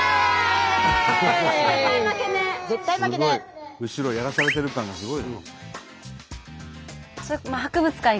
すごい後ろやらされてる感がすごい。